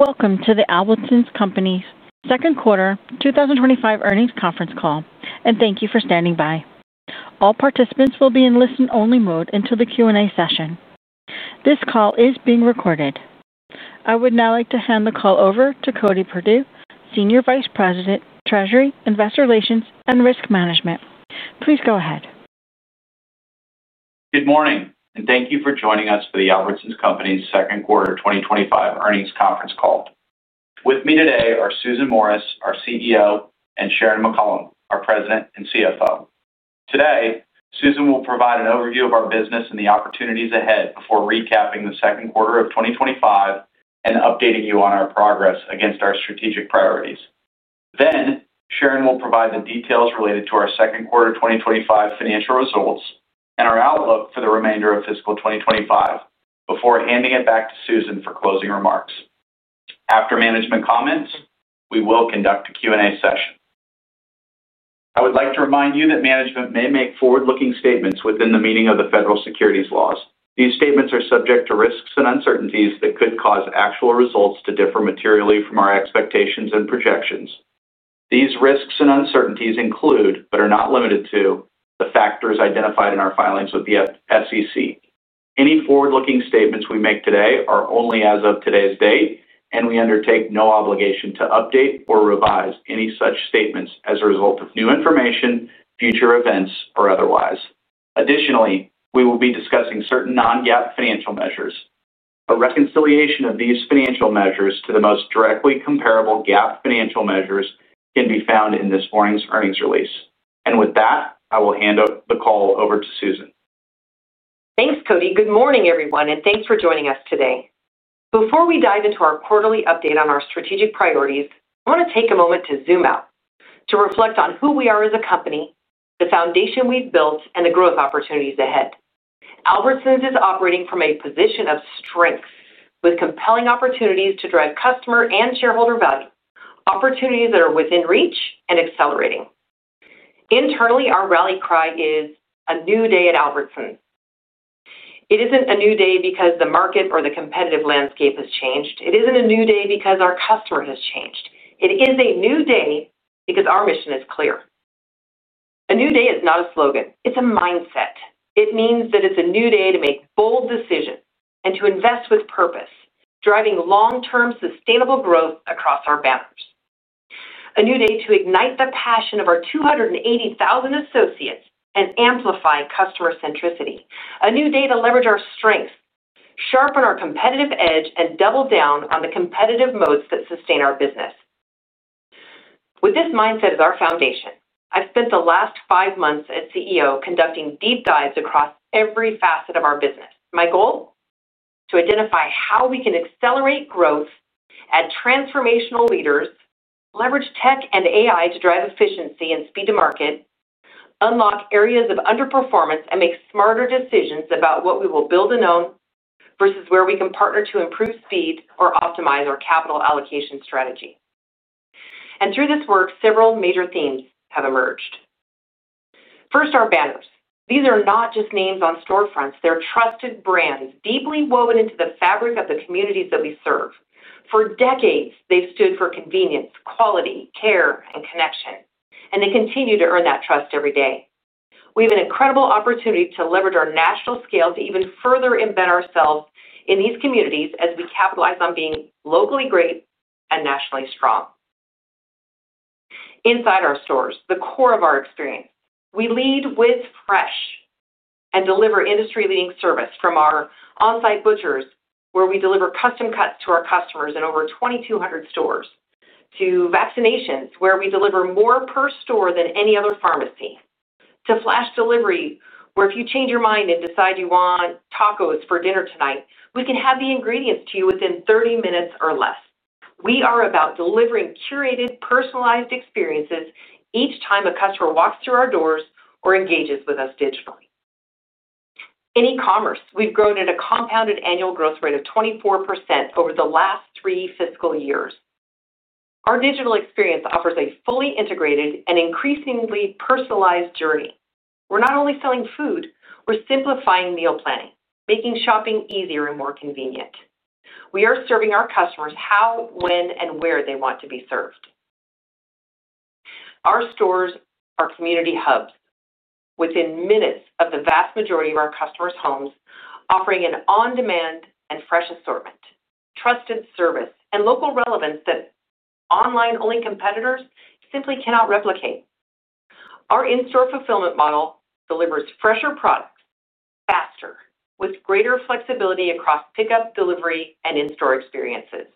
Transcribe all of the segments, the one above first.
Welcome to the Albertsons Companies second quarter 2025 earnings conference call, and thank you for standing by. All participants will be in listen-only mode until the Q&A session. This call is being recorded. I would now like to hand the call over to Cody Perdue, Senior Vice President, Treasury, Investor Relations, and Risk Management. Please go ahead. Good morning and thank you for joining us for the Albertsons Companies second quarter 2025 earnings conference call. With me today are Susan Morris, our CEO, and Sharon McCollam, our President and CFO. Today, Susan will provide an overview of our business and the opportunities ahead before recapping the second quarter of 2025 and updating you on our progress against our strategic priorities. Sharon will provide the details related to our second quarter 2025 financial results and our outlook for the remainder of fiscal 2025 before handing it back to Susan for closing remarks. After management comments, we will conduct a Q&A session. I would like to remind you that management may make forward-looking statements within the meaning of the federal securities laws. These statements are subject to risks and uncertainties that could cause actual results to differ materially from our expectations and projections. These risks and uncertainties include, but are not limited to, the factors identified in our filings with the SEC. Any forward-looking statements we make today are only as of today's date and we undertake no obligation to update or revise any such statements as a result of new information, future events or otherwise. Additionally, we will be discussing certain non-GAAP financial measures. A reconciliation of these financial measures to the most directly comparable GAAP financial measures can be found in this morning's earnings release. With that, I will hand the call over to Susan. Thanks Cody. Good morning everyone and thanks for joining us today. Before we dive into our quarterly update on our strategic priorities, I want to take a moment to zoom out to reflect on who we are as a company, the foundation we've built, and the growth opportunities ahead. Albertsons Companies is operating from a position of strength with compelling opportunities to drive customer and shareholder value, opportunities that are within reach and accelerating internally. Our rally cry is a new day at Albertsons. It isn't a new day because the market or the competitive landscape has changed. It isn't a new day because our customer has changed. It is a new day because our mission is clear. A new day is not a slogan. It's a mindset. It means that it's a new day to make bold decisions and to invest with purpose, driving long-term sustainable growth across our banners. A new day to ignite the passion of our 280,000 associates and amplify customer centricity. A new day to leverage our strengths, sharpen our competitive edge, and double down on the competitive moats that sustain our business. With this mindset as our foundation, I've spent the last five months as CEO conducting deep dives across every facet of our business. My goal: to identify how we can accelerate growth, add transformational leaders, leverage tech and AI to drive efficiency and speed to market, unlock areas of underperformance, and make smarter decisions about what we will build and own versus where we can partner to improve speed or optimize our capital allocation strategy. Through this work, several major themes have emerged. First, our banners. These are not just names on storefronts, they're trusted brands deeply woven into the fabric of the communities that we serve. For decades they've stood for convenience, quality, care, and connection, and they continue to earn that trust every day. We have an incredible opportunity to leverage our national scale to even further embed ourselves in these communities as we capitalize on being locally great and nationally strong. Inside our stores, the core of our experience, we lead with fresh and deliver industry-leading service from our on-site butchers to where we deliver custom cuts to our customers in over 2,200 stores, to vaccinations where we deliver more per store than any other pharmacy, to flash delivery where if you change your mind and decide you want tacos for dinner. Tonight, we can have the ingredients too. You within 30 minutes or less. We are about delivering curated, personalized experiences each time a customer walks through our doors or engages with us digitally in e-commerce. We've grown at a compounded annual growth rate of 24% over the last three fiscal years. Our digital experience offers a fully integrated and increasingly personalized journey. We're not only selling food, we're simplifying meal planning, making shopping easier and more convenient. We are serving our customers how, when, and where they want to be served. Our stores are community hubs within minutes of the vast majority of our customers' homes, offering an on-demand and fresh assortment, trusted service, and local relevance that online-only competitors simply cannot replicate. Our in-store fulfillment model delivers fresher products faster with greater flexibility across pickup, delivery, and in-store experiences.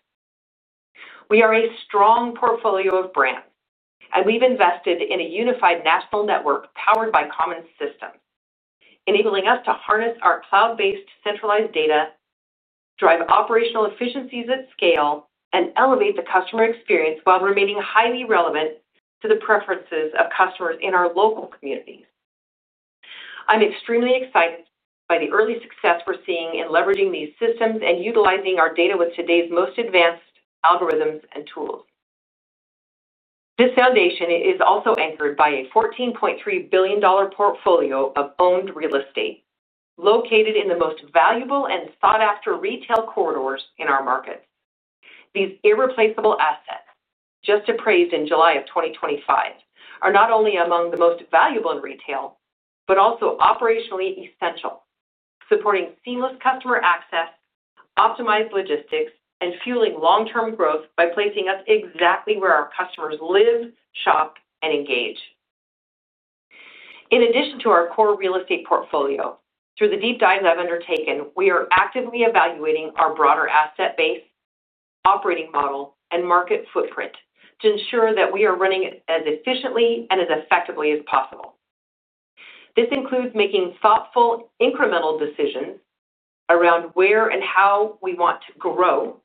We are a strong portfolio of brands, and we've invested in a unified national network powered by common systems, enabling us to harness our cloud-based centralized data, drive operational efficiencies at scale, and elevate the customer experience while remaining highly relevant to the preferences of customers in our local communities. I'm extremely excited by the early success we're seeing in leveraging these systems and utilizing our data with today's most advanced algorithms and tools. This foundation is also anchored by a $14.3 billion portfolio of owned real estate located in the most valuable and sought-after retail corridors in our markets. These irreplaceable assets, just appraised in July of 2025, are not only among the most valuable in retail, but also operationally essential, supporting seamless customer access, optimized logistics, and fueling long-term growth by placing us exactly where our customers live, shop, and engage. In addition to our core real estate portfolio, through the deep dives I've undertaken, we are actively evaluating our broader asset base, operating model, and market footprint to ensure that we are running as efficiently and as effectively as possible. This includes making thoughtful incremental decisions around where and how we want to grow,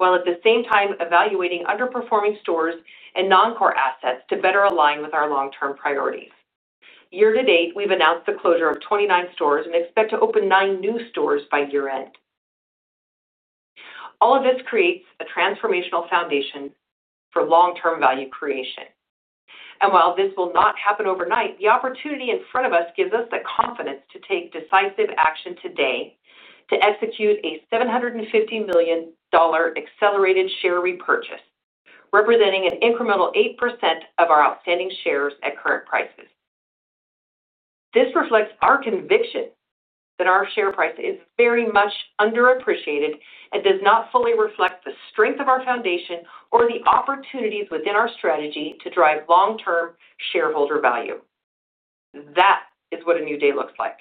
while at the same time evaluating underperforming stores and non-core assets to better align with our long-term priorities. Year to date, we've announced the closure of 29 stores and expect to open nine new stores by year end. All of this creates a transformational foundation for long term value creation, and while this will not happen overnight, the opportunity in front of us gives us the confidence to take decisive action today to execute a $750 million accelerated share repurchase representing an incremental 8% of our outstanding shares at current prices. This reflects our conviction that our share price is very much underappreciated and does not fully reflect the strength of our foundation or the opportunities within our strategy to drive long term shareholder value. That is what a new day looks like.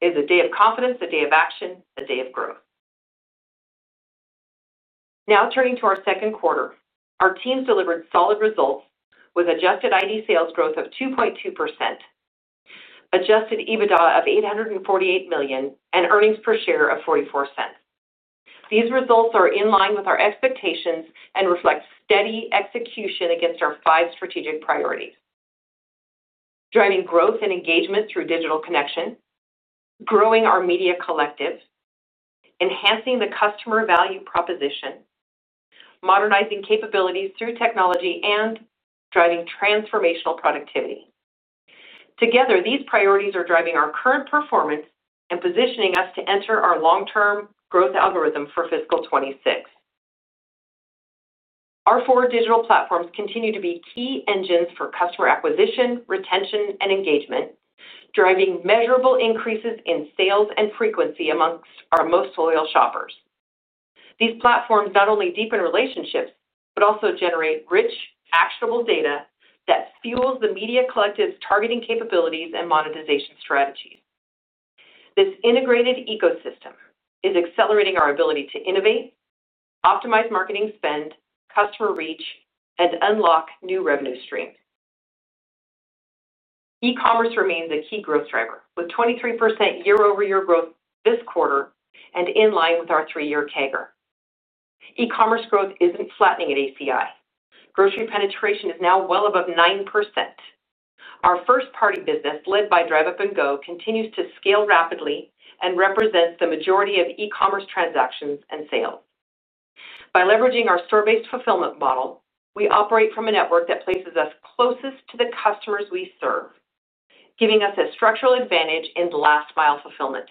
It is a day of confidence, a day of action, a day of growth. Now turning to our second quarter, our teams delivered solid results with adjusted identical sales growth of 2.2%, adjusted EBITDA of $848 million, and earnings per share of $0.44. These results are in line with our expectations and reflect steady execution against our five strategic priorities: driving growth and engagement through digital connection, growing our Media Collective, enhancing the customer value proposition, modernizing capabilities through technology, and driving transformational productivity. Together, these priorities are driving our current performance and positioning us to enter our long term growth algorithm for fiscal 2026. Our four digital platforms continue to be key engines for customer acquisition, retention, and engagement, driving measurable increases in sales and frequency amongst our most loyal shoppers. These platforms not only deepen relationships, but also generate rich, actionable data that fuels the Media Collective's targeting capabilities and monetization strategies. This integrated ecosystem is accelerating our ability to innovate, optimize marketing spend, customer reach, and unlock new revenue streams. E-commerce remains a key growth driver with 23% year over year growth this quarter and in line with our three year CAGR. E-commerce growth isn't flattening. At Albertsons Companies, grocery penetration is now well above 9%. Our first party business led by Drive Up and Go continues to scale rapidly and represents the majority of e-commerce transactions and sales. By leveraging our store based fulfillment model, we operate from a network that places us closest to the customers we serve, giving us a structural advantage in last mile fulfillment.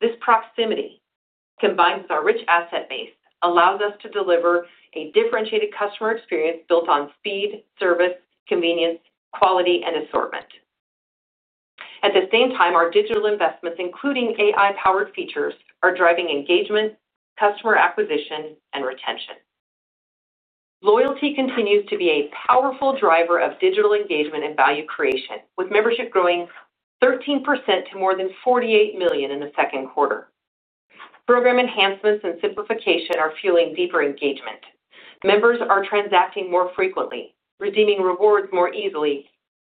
This proximity, combined with our rich asset base, allows us to deliver a differentiated customer experience built on speed, service, convenience, quality, and assortment. At the same time, our digital investments, including AI-powered features, are driving engagement, customer acquisition, and retention. Loyalty continues to be a powerful driver of digital engagement and value creation. With membership growing 13% to more than 48 million in the second quarter, program enhancements and simplification are fueling deeper engagement. Members are transacting more frequently, redeeming rewards more easily, and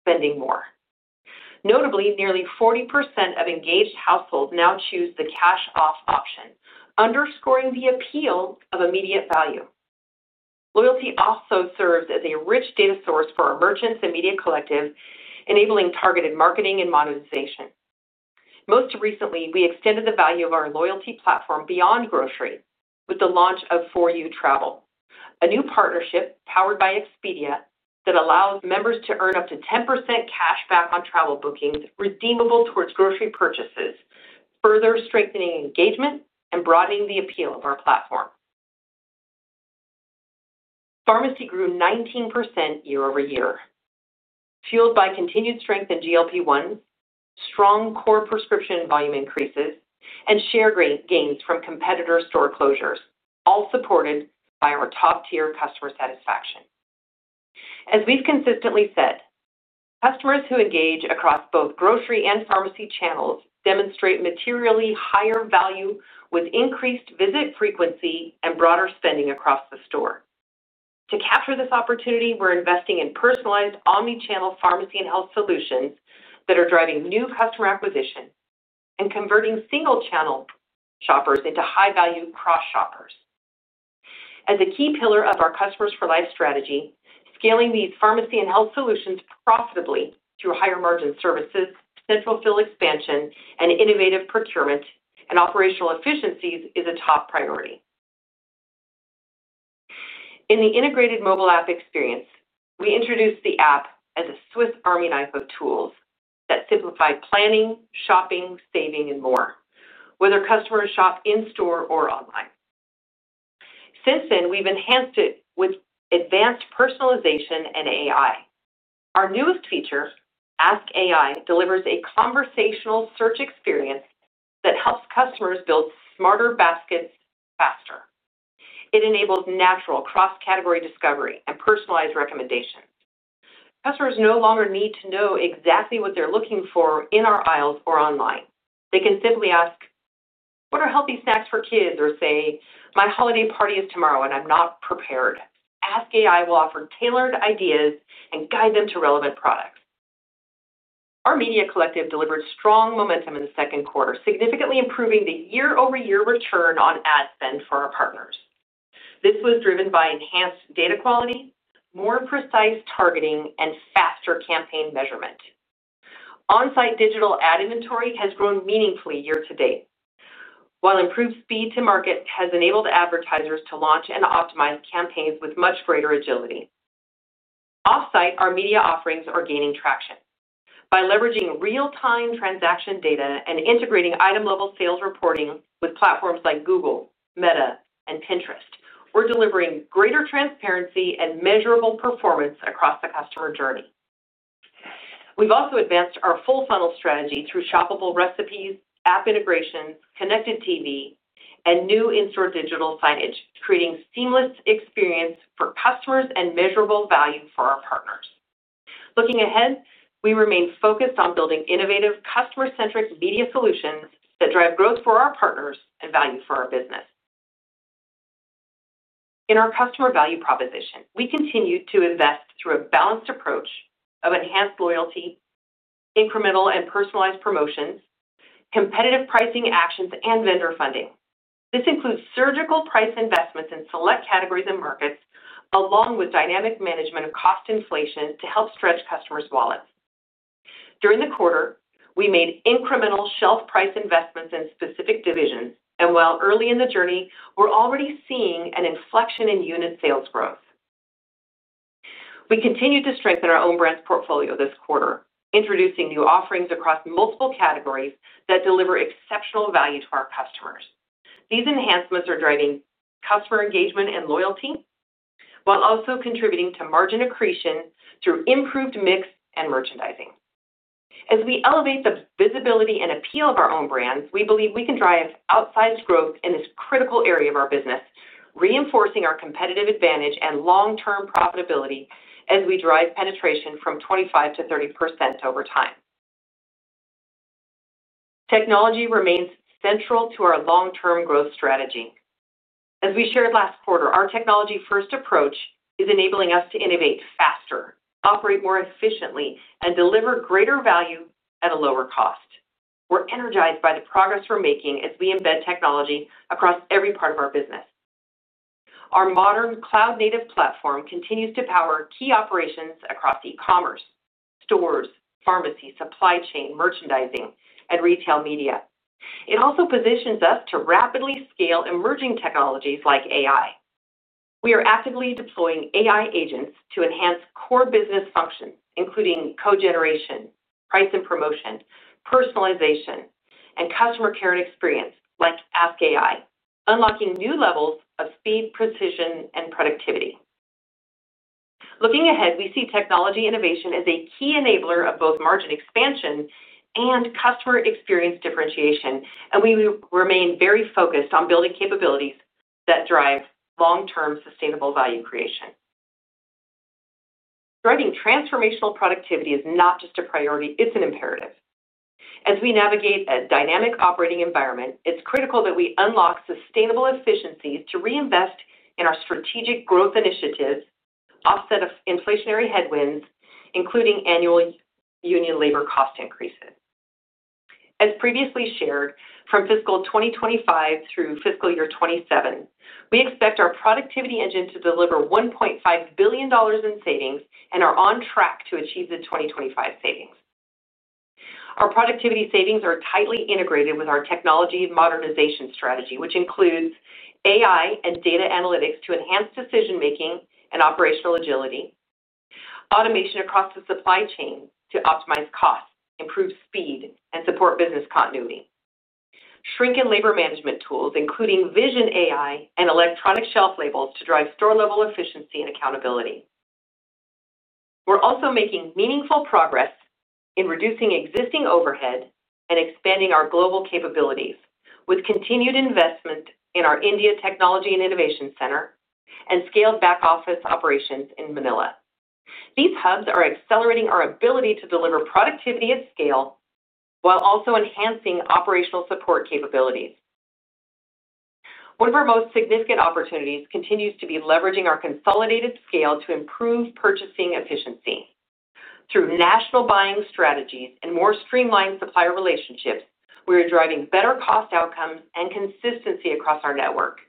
spending more. Notably, nearly 40% of engaged households now choose the cash off option, underscoring the appeal of immediate value. Loyalty also serves as a rich data source for our merchants and Media Collective, enabling targeted marketing and monetization. Most recently, we extended the value of our loyalty platform beyond grocery with the launch of for you Travel, a new partnership powered by Expedia that allows members to earn up to 10% cash back on travel bookings redeemable towards grocery purchases, further strengthening engagement and broadening the appeal of our platform. Pharmacy grew 19% year over year, fueled by continued strength in GLP1, strong core prescription volume increases, and share gains from competitor store closures, all supported by our top-tier customer satisfaction. As we've consistently said, customers who engage across both grocery and pharmacy channels demonstrate materially higher value with increased visit frequency and broader spending across the store. To capture this opportunity, we're investing in personalized omnichannel pharmacy and health solutions that are driving new customer acquisition and converting single channel shoppers into high-value cross shoppers as a key pillar of our customers for life strategy. Scaling these pharmacy and health solutions profitably through higher margin services, central field expansion, and innovative procurement and operational efficiencies is a top priority in the integrated mobile app experience. We introduced the app as a Swiss army knife of tools that simplify planning, shopping, saving, and more, whether customers shop in store or online. Since then, we've enhanced it with advanced personalization and AI. Our newest feature, Ask AI, delivers a conversational search experience that helps customers build smarter baskets faster. It enables natural cross-category discovery and personalized recommendations. Customers no longer need to know exactly what they're looking for in our aisles or online. They can simply ask, what are healthy snacks for kids? Or say my holiday party is tomorrow and I'm not prepared. Ask AI will offer tailored ideas and guide them to relevant products. Our Media Collective delivered strong momentum in the second quarter, significantly improving the year-over-year return on ad spend for our partners. This was driven by enhanced data quality, more precise targeting, and faster campaign measurement on site. Digital ad inventory has grown meaningfully year to date, while improved speed to market has enabled advertisers to launch and optimize campaigns with much greater agility off site. Our media offerings are gaining traction by leveraging real-time transaction data and integrating item-level sales reporting with platforms like Google, Meta, and Pinterest. We're delivering greater transparency and measurable performance across the customer journey. We've also advanced our full-funnel strategy through shoppable recipes, app integrations, connected TV, and new in-store digital signage, creating seamless experience for customers and measurable value for our partners. Looking ahead, we remain focused on building innovative customer-centric media solutions that drive growth for our partners and value for our business. In our customer value proposition, we continue to invest through a balanced approach of enhanced loyalty, incremental and personalized promotions, competitive pricing actions, and vendor funding. This includes surgical price investments in select categories and markets along with dynamic management of cost inflation to help stretch customers' wallets. During the quarter, we made incremental shelf price investments in specific divisions, and while early in the journey, we're already seeing an inflection in unit sales growth. We continued to strengthen our own brand products portfolio this quarter, introducing new offerings across multiple categories that deliver exceptional value to our customers. These enhancements are driving customer engagement and loyalty while also contributing to margin accretion through improved mix and merchandising. As we elevate the visibility and appeal of our own brand products, we believe we can drive outsized growth in this critical area of our business, reinforcing our competitive advantage and long-term profitability as we drive penetration from 25% to 30% over time. Technology remains central to our long-term growth strategy. As we shared last quarter, our technology-first approach is enabling us to innovate faster, operate more efficiently, and deliver greater value at a lower cost. We're energized by the progress we're making as we embed technology across every part of our business. Our modern cloud-native platform continues to power key operations across e-commerce, stores, pharmacy, supply chain, merchandising, and retail media. It also positions us to rapidly scale emerging technologies like AI. We are actively deploying AI agents to enhance core business functions including co-generation, price and promotion, personalization, and customer care and experience like Ask AI, unlocking new levels of speed, precision, and productivity. Looking ahead, we see technology innovation as a key enabler of both margin expansion and customer experience differentiation, and we remain very focused on building capabilities that drive long-term sustainable value creation. Driving transformational productivity is not just a priority, it's an imperative. As we navigate a dynamic operating environment, it's critical that we unlock sustainable efficiencies to reinvest in our strategic growth initiatives and offset inflationary headwinds including annual union labor cost increases. As previously shared, from fiscal 2025 through fiscal year 2027, we expect our productivity engine to deliver $1.5 billion in savings and are on track to achieve the 2025 savings. Our productivity savings are tightly integrated with our technology modernization strategy, which includes AI and data analytics to enhance decision and operational agility, automation across the supply chain to optimize cost, improve speed, and support business continuity, shrink and labor management tools including vision AI and electronic shelf labels to drive store-level efficiency and accountability. We're also making meaningful progress in reducing existing overhead and expanding our global capabilities. With continued investment in our India Technology and Innovation Center and scaled back office operations in Manila, these hubs are accelerating our ability to deliver productivity at scale while also enhancing operational support capabilities. One of our most significant opportunities continues to be leveraging our consolidated scale to improve purchasing efficiency. Through national buying strategies and more streamlined supplier relationships, we are driving better cost outcomes and consistency across our network.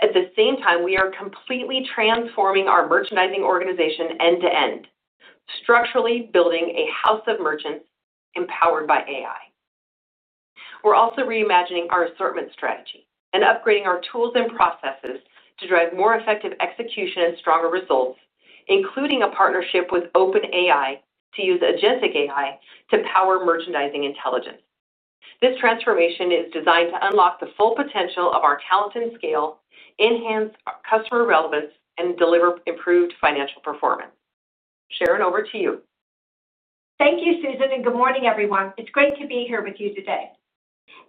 At the same time, we are completely transforming our merchandising organization end to end. Structurally building a house of merchants empowered by AI. We're also reimagining our assortment strategy and upgrading our tools and processes to drive more effective execution and stronger results, including a partnership with OpenAI to use AI to power merchandising intelligence. This transformation is designed to unlock the full potential of our talent and scale, enhance customer relevance, and deliver improved financial performance. Sharon, over to you. Thank you, Susan, and good morning, everyone. It's great to be here with you today.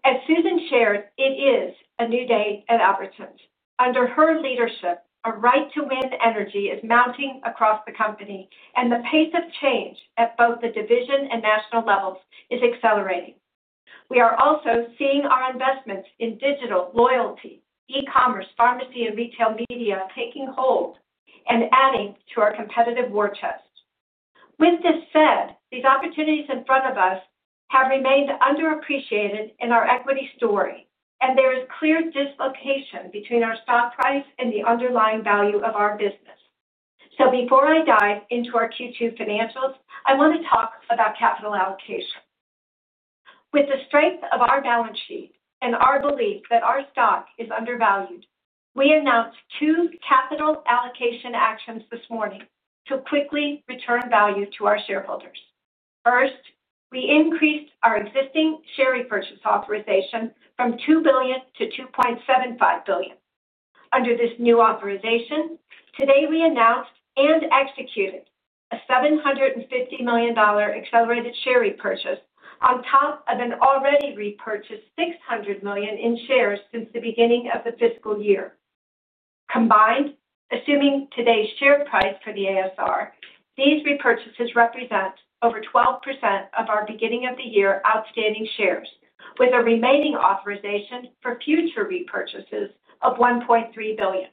As Susan shared, it is a new day at Albertsons. Under her leadership, a right to wind energy is mounting across the company, and the pace of change at both the division and national levels is accelerating. We are also seeing our investments in digital loyalty, e-commerce, pharmacy, and retail media taking hold and adding to our competitive war chest. With this said, these opportunities in front of us have remained underappreciated in our equity story, and there is clear dislocation between our stock price and the underlying value of our business. Before I dive into our Q2 financials, I want to talk about capital allocation. With the strength of our balance sheet and our belief that our stock is undervalued, we announced two capital allocation actions this morning to quickly return value to our shareholders. First, we increased our existing share repurchase authorization from $2 billion to $2.75 billion. Under this new authorization, today we announced and executed a $750 million accelerated share repurchase on top of an already repurchased $600 million in shares since the beginning of the fiscal year combined. Assuming today's share price for the ASR, these repurchases represent over 12% of our beginning of the year outstanding shares, with a remaining authorization for future repurchases of $1.3 billion.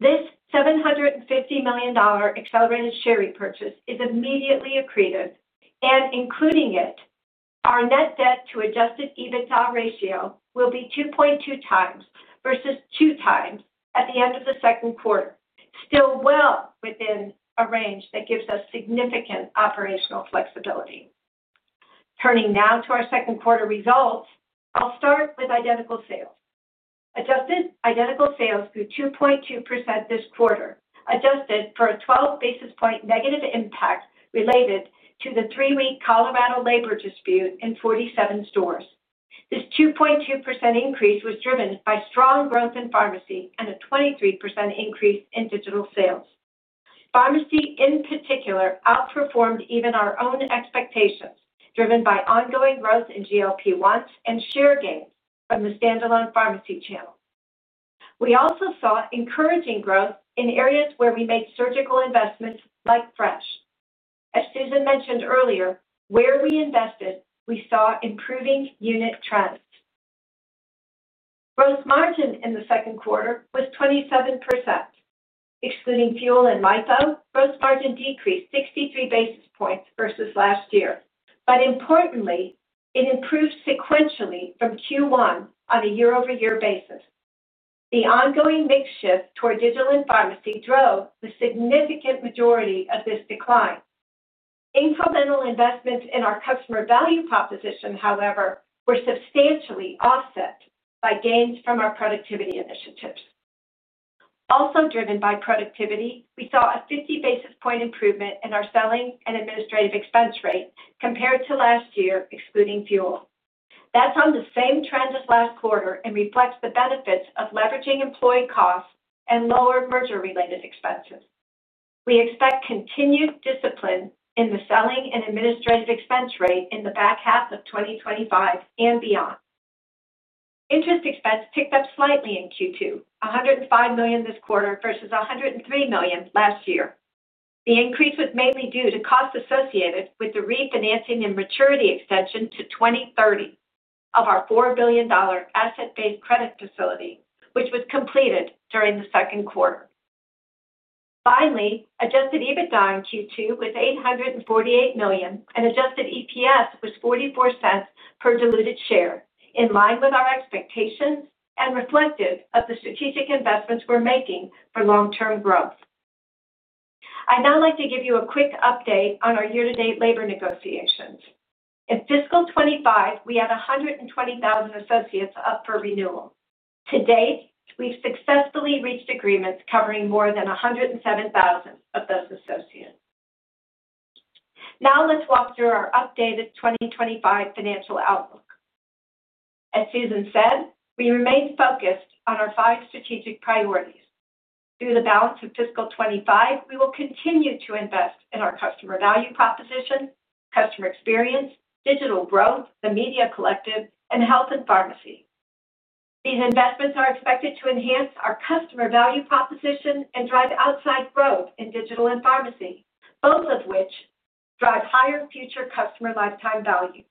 This $750 million accelerated share repurchase is immediately accretive, and including it, our net debt to adjusted EBITDA ratio will be 2.2 times versus 2 times at the end of the second quarter, still well within a range that gives us significant operational flexibility. Turning now to our second quarter results, start with identical sales. Adjusted identical sales grew 2.2% this quarter, adjusted for a 12 basis point negative impact related to the three-week Colorado labor dispute in 47 stores. This 2.2% increase was driven by strong growth in pharmacy and a 23% increase in digital sales. Pharmacy in particular outperformed even our own expectations, driven by ongoing growth in GLP-1s and share gains from the standalone pharmacy channel. We also saw encouraging growth in areas where we made surgical investments like Fresh. As Susan mentioned earlier, where we invested, we saw improving unit trends. Gross margin in the second quarter was 27% excluding fuel and MIFO. Gross margin decreased 63 basis points versus last year, but importantly it improved sequentially from Q1 on a year over year basis. The ongoing mix shift toward digital and pharmacy drove the significant majority of this decline. Incremental investments in our customer value proposition, however, were substantially offset by gains from our productivity initiatives, also driven by productivity. We saw a 50 basis point improvement in our selling and administrative expense rate compared to last year excluding fuel. That's on the same trend as last quarter and reflects the benefits of leveraging employee costs and lower merger related expenses. We expect continued discipline in the selling and administrative expense rate in the back half of 2025 and beyond. Interest expense ticked up slightly in Q2, $105 million this quarter versus $103 million last year. The increase was mainly due to costs associated with the refinancing and maturity extension to 2030 of our $4 billion asset based credit facility, which was completed during the second quarter. Finally, adjusted EBITDA in Q2 was $848 million and adjusted EPS was $0.44 per diluted share. In line with our expectations and reflective of the strategic investments we're making for long term growth, I'd now like to give you a quick update on our year to date labor negotiations. In fiscal 2025, we had 120,000 associates up for renewal. To date, we've successfully reached agreements covering more than 107,000 of those associates. Now let's walk through our updated 2025 financial outlook. As Susan said, we remain focused on our five strategic priorities through the balance of fiscal 2025. We will continue to invest in our customer value proposition, customer experience, digital growth, the Media Collective, and health and pharmacy. These investments are expected to enhance our customer value proposition and drive outsized growth in digital and pharmacy, both of which drive higher future customer lifetime value.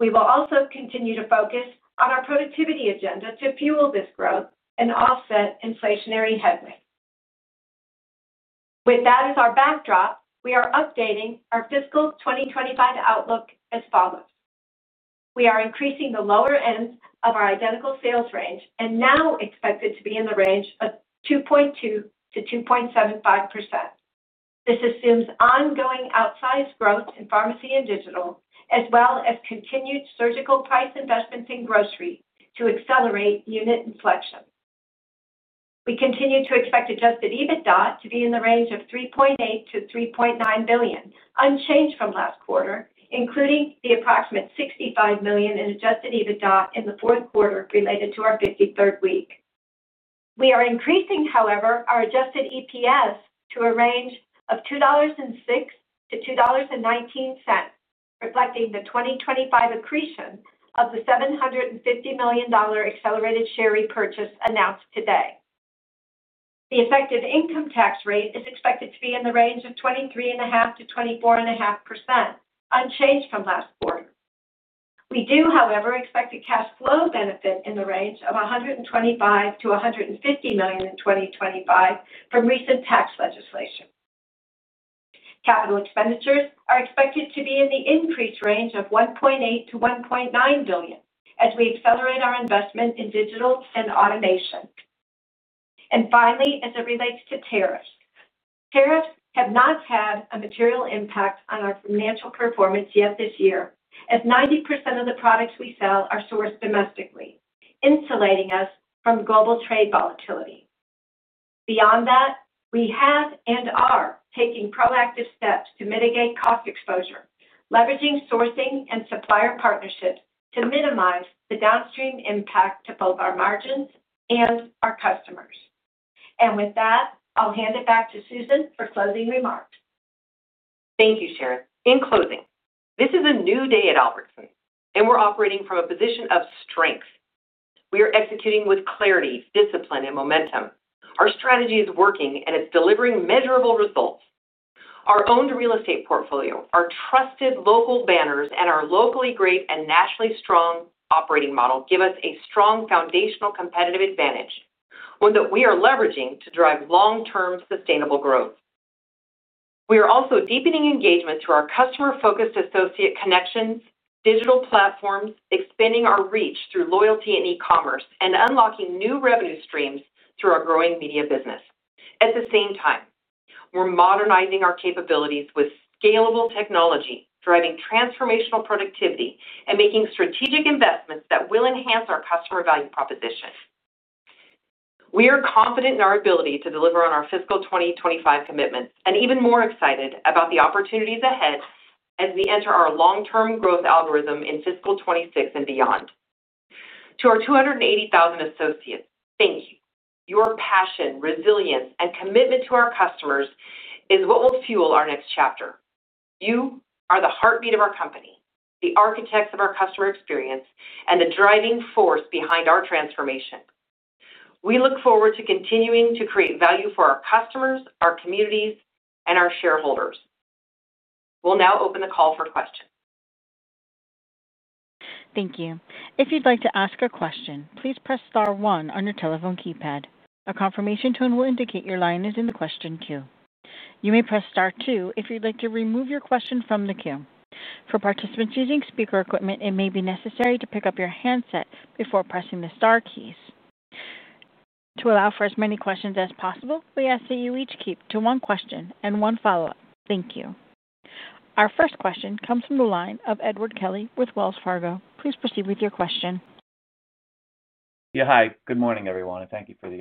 We will also continue to focus on our productivity agenda to fuel this growth and offset inflationary headwinds. With that as our backdrop, we are updating our fiscal 2025 outlook as follows. We are increasing the lower end of our identical sales range and now expect it to be in the range of 2.2% to 2.75%. This assumes ongoing outsized growth in pharmacy and digital as well as continued surgical price investments in grocery to accelerate unit inflection. We continue to expect adjusted EBITDA to be in the range of $3.8 to $3.9 billion, unchanged from last quarter, including the approximate $65 million in adjusted EBITDA in the fourth quarter. Related to our 53rd week, we are increasing, however, our adjusted EPS to a range of $2.16 to $2.19, reflecting the 2025 accretion of the $750 million accelerated share repurchase announced today. The effective income tax rate is expected to be in the range of 23.5% to 24.5%, unchanged from last quarter. We do, however, expect a cash flow benefit in the range of $125 to $150 million in 2025 from recent tax legislation. Capital expenditures are expected to be in the increased range of $1.8 to $1.9 billion as we accelerate our investment in digital and automation. Finally, as it relates to tariffs, tariffs have not had a material impact on our financial performance yet this year as 90% of the products we sell are sourced domestically, insulating us from global trade volatility. Beyond that, we have and are taking proactive steps to mitigate cost exposure, leveraging sourcing and supplier partnerships to minimize the downstream impact to both our margins and our customers. With that, I'll hand it back to Susan for closing remarks. Thank you, Sharon. In closing, this is a new day at Albertsons Companies and we're operating from a position of strength. We are executing with clarity, discipline, and momentum. Our strategy is working and it's delivering measurable results. Our owned real estate portfolio, our trusted local banners, and our locally great and nationally strong operating model give us a strong foundational competitive advantage, one that we are leveraging to drive long-term sustainable growth. We are also deepening engagement through our customer-focused associate connections, digital platforms, expanding our reach through loyalty programs and e-commerce, and unlocking new revenue streams through our growing media business. At the same time, we're modernizing our capabilities with scalable technology, driving transformational productivity, and making strategic investments that will enhance our customer value proposition. We are confident in our ability to deliver on our fiscal 2025 commitments and even more excited about the opportunities ahead as we enter our long-term growth algorithm in fiscal 2026 and beyond. To our 280,000 associates, thank you. Your passion, resilience, and commitment to our customers is what will fuel our next chapter. You are the heartbeat of our company, the architects of our customer experience, and the driving force behind our transformation. We look forward to continuing to create value for our customers, our communities, and our shareholders. We'll now open the call for questions. Thank you. If you'd like to ask a question, please press star 1 on your telephone keypad. A confirmation tone will indicate your line is in the question queue. You may press star 2 if you'd like to remove your question from the queue. For participants using speaker equipment, it may be necessary to pick up your handset before pressing the star keys to allow for as many questions as possible. We ask that you each keep to one question and one follow-up. Thank you. Our first question comes from the line of Edward Kelly with Wells Fargo Securities. Please proceed with your question. Yeah, hi, good morning everyone and thank you for the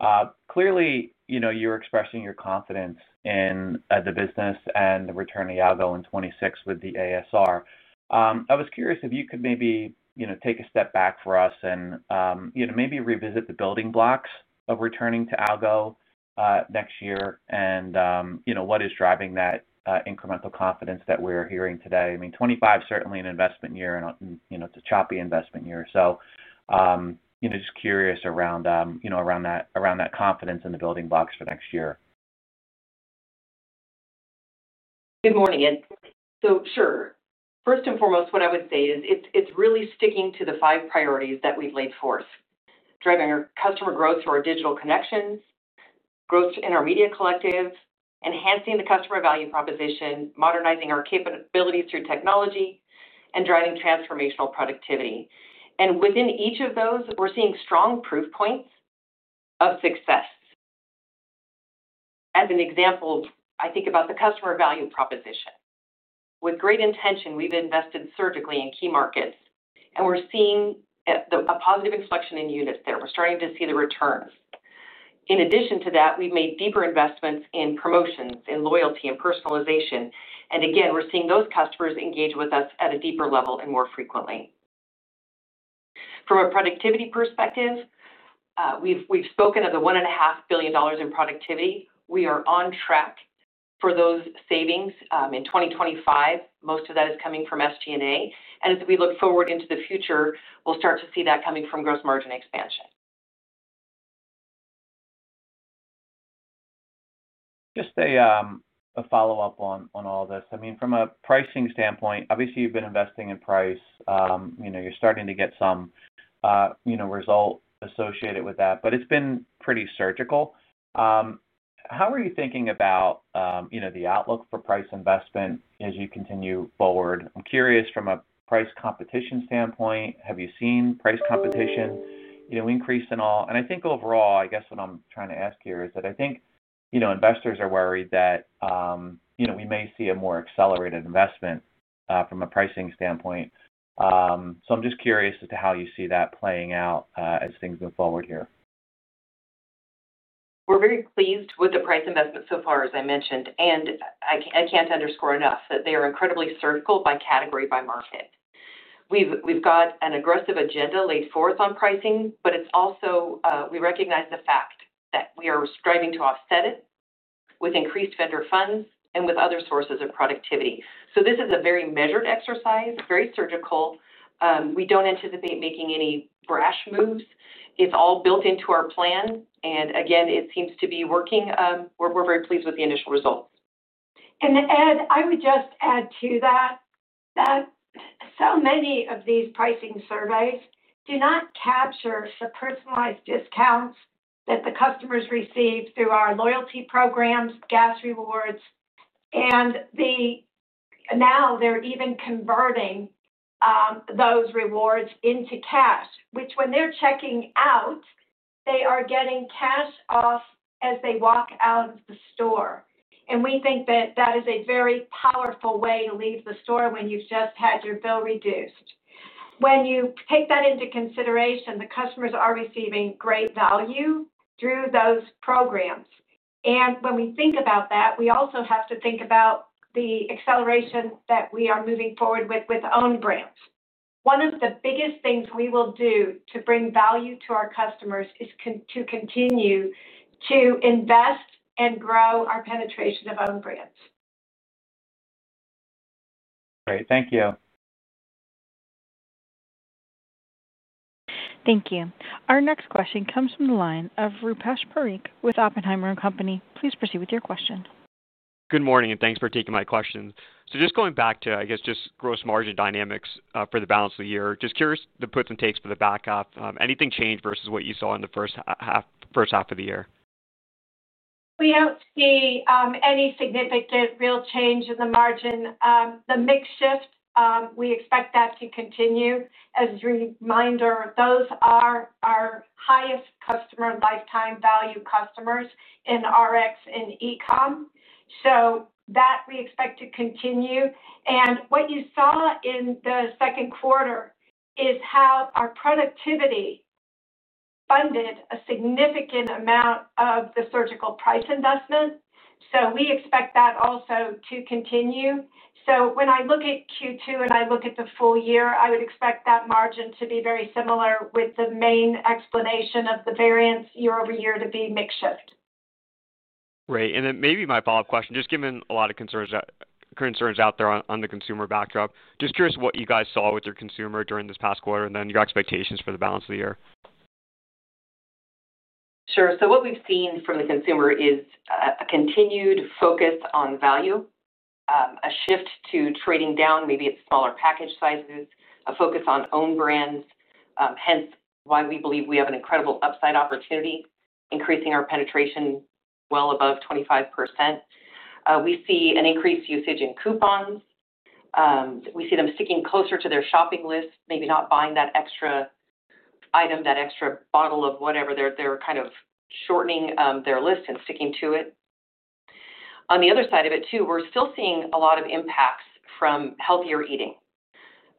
update. Clearly, you're expressing your confidence in the business and the return of Yago in 2026 with the ASR. I was curious if you could maybe take a step back for us and maybe revisit the building blocks of returning to Algo next year and what is driving that incremental confidence that we're hearing today. I mean, 2025, certainly an investment year. It's a choppy investment year. Just curious around that, around that confidence in the building blocks for next year. Good morning, Ed. First and foremost, what I would say is it's really sticking to the five priorities that we've laid forth: driving our customer growth through our digital connections, growth in our Media Collective, enhancing the customer value proposition, modernizing our capabilities through technology, and driving transformational productivity. Within each of those, we're seeing strong proof points of success. As an example, I think about the customer value proposition with great intention. We've invested surgically in key markets and we're seeing a positive inflection in units there. We're starting to see the returns. In addition to that, we've made deeper investments in promotions and loyalty and personalization. Again, we're seeing those customers engage with us at a deeper level and more frequently. From a productivity perspective, we've spoken of the $1.5 billion in productivity. We are on track for those savings in 2025. Most of that is coming from SG&A. As we look forward into the future, we'll start to see coming from gross margin expansion. Just a follow-up on all this. I mean, from a pricing standpoint, obviously you've been investing in price. You're starting to get some result associated with that, but it's been pretty surgical. How are you thinking about the outlook for price investment as you continue forward? I'm curious, from a price competition standpoint, have you seen price competition increase at all? I think overall, what I'm trying to ask here is that I think investors are worried that we may see a more accelerated investment from a pricing standpoint. I'm just curious as to how you see that playing out as things move forward here. We're very pleased with the price investment so far, as I mentioned, and I can't underscore enough that they are incredibly circled by category, by market. We've got an aggressive agenda laid forth on pricing, but we also recognize the fact that we are striving to offset it with increased vendor funds and with other sources of productivity. This is a very measured exercise, very surgical. We don't anticipate making any brash moves. It's all built into our plan. It seems to be working. We're very pleased with the initial results. Ed, I would just add to that that so many of these pricing surveys do not capture the personalized discounts that the customers receive through our loyalty programs, gas rewards, and now they're even converting those rewards into cash, which, when they're checking out, they are getting cash off as they walk out of the store. We think that that is a very powerful way to leave the store when you've just had your bill reduced. When you take that into consideration, the customers are receiving great value through those programs. When we think about that, we also have to think about the acceleration that we are moving forward with with own brands. One of the biggest things we will do to bring value to our customers is to continue to invest and grow our penetration of own brands. Great. Thank you. Thank you. Our next question comes from the line of Rupesh Parikh with Oppenheimer & Co. Please proceed with your question. Good morning and thanks for taking my question. Just going back to gross margin dynamics for the balance of the year, just curious, the puts and takes for the back half, anything changed versus what you saw in the first half? First half of the year we don't. See any significant real change in the margin, the mix shift, we expect that to continue. As a reminder, those are our highest customer lifetime value customers in RX and e-commerce. We expect that to continue. What you saw in the second quarter is how our productivity funded a significant amount of the surgical price investment. We expect that also to continue. When I look at Q2 and I look at the full year, I would expect that margin to be very similar, with the main explanation of the variance year over year to be mix shift. Right. Maybe my follow up question, just given a lot of concerns out there on the consumer backdrop, just curious what you guys saw with your consumer during this past quarter and then your expectations for the balance of the year. Sure. What we've seen from the consumer is a continued focus on value, a shift to trading down. Maybe it's smaller package sizes, a focus on own brands. Hence why we believe we have an incredible upside opportunity, increasing our penetration well above 25%. We see an increased usage in coupons. We see them sticking closer to their shopping list, maybe not buying that extra item, that extra bottle of whatever. They're kind of shortening their list and sticking to it. On the other side of it too, we're still seeing a lot of impacts from healthier eating.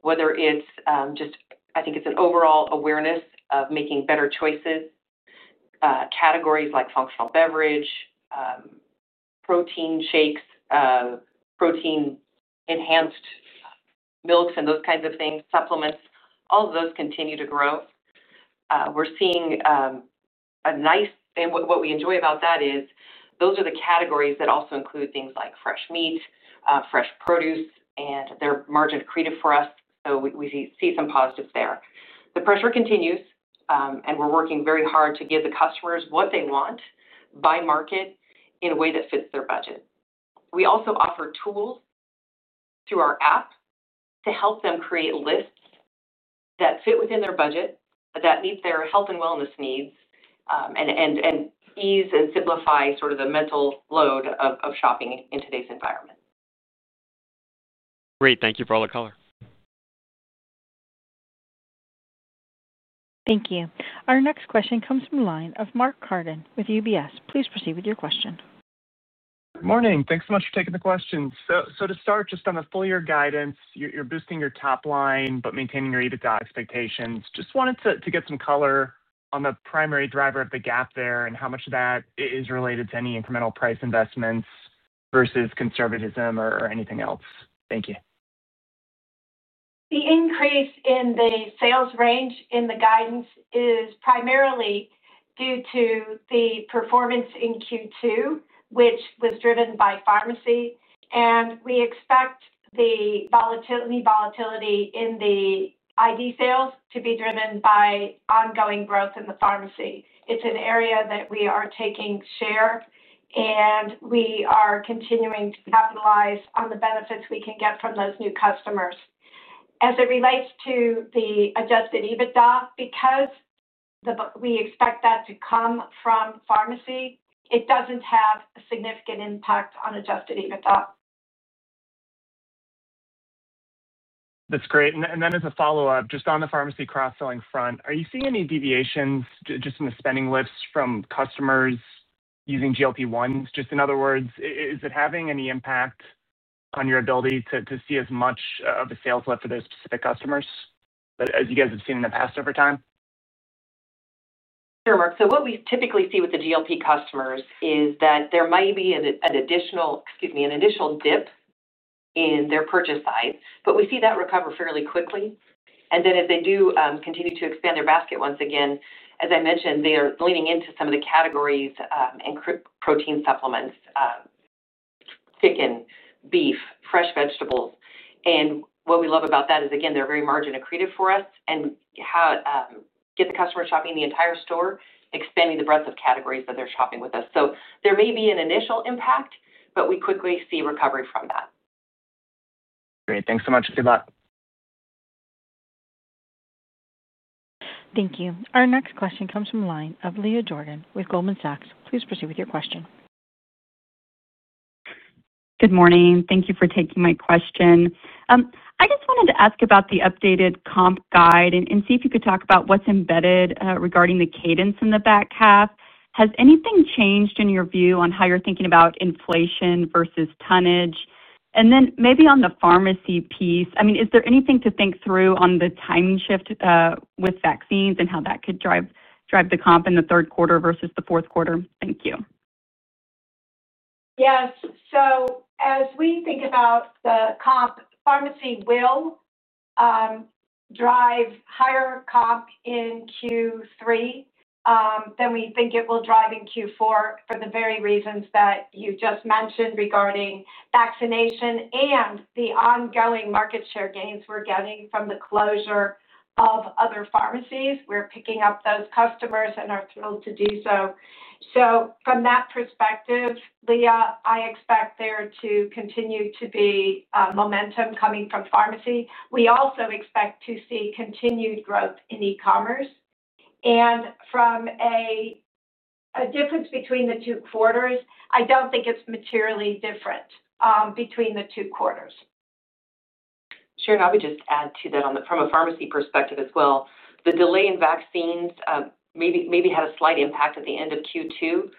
Whether it's just, I think it's an overall awareness of making better choices. Categories like functional beverage, protein shakes, protein enhanced milks and those kinds of things, supplements, all of those continue to grow. We're seeing a nice, and what we enjoy about that is those are the categories that also include things like fresh meat, fresh produce, and they're margin accretive for us. We see some positives there. The pressure continues and we're working very hard to give the customers what they want by market in a way that fits their budget. We also offer tools through our app to help them create lists that fit within their budget that meet their health and wellness needs and ease and simplify sort of the mental load of shopping in today's environment. Great, thank you for all the color. Thank you. Our next question comes from the line of Mark Carden with UBS Investment Bank. Please proceed with your question, Mark. Morning. Thanks so much for taking the question. To start just on the full. Year guidance, you're boosting your top line but maintaining your EBITDA expectations. Just wanted to get some color on the primary driver of the gap there and how much of that is related to any incremental price investments versus conservatism or anything else. Thank you. The increase in the sales range in the guidance is primarily due to the performance in Q2, which was driven by pharmacy, and we expect the volatility in the ID sales to be driven by ongoing growth in the pharmacy. It's an area that we are taking share and we are continuing to capitalize on the benefits we can get from those new customers. As it relates to the adjusted EBITDA, because we expect that to come from pharmacy, it doesn't have a significant impact on adjusted EBITDA. That's great. As a follow up, just on the pharmacy cross selling front, are you seeing any deviations just in the spending lifts from customers using GLP1? In other words, is it having any impact on your ability to see as much of a sales lift for those specific customers as you guys have seen in the past over time? Sure, Mark. What we typically see with the GLP customers is that there might be an additional dip in their purchase size, but we see that recover fairly quickly, and as they do continue to expand their basket. Once again, as I mentioned, they are leaning into some of the categories and protein supplements, chicken, beef, fresh vegetables. What we love about that is again they're very margin accretive for us and get the customer shopping the entire store, expanding the breadth of categories that they're shopping with us. There may be an initial impact, but we quickly see recovery from that. Great, thanks so much. Thank you. Our next question comes from the line of Leah Jordan with Goldman Sachs Group. Please proceed with your question. Good morning. Thank you for taking my question. I just wanted to ask about the updated comp guide and see if you could talk about what's embedded. Regarding the cadence in the back half, has anything changed in your view on how you're thinking about inflation versus tonnage, and then maybe on the pharmacy piece, is there anything to think through on the time shift with vaccines and how that could drive the comp in the third quarter versus the fourth quarter? Thank you. Yes. As we think about the comp, pharmacy will drive higher comp in Q3 than we think it will drive in Q4 for the very reasons that you just mentioned regarding vaccination and the ongoing market share gains we're getting from the closure of other pharmacies. We're picking up those customers and are thrilled to do so. From that perspective, Leah, I expect there to continue to be momentum coming from pharmacy. We also expect to see continued growth in e-commerce, and from a difference between the two quarters, I don't think it's materially different between the two quarters, Sharon. I would just add to that from a pharmacy perspective as well. The delay in vaccines maybe had a slight impact at the end of Q2,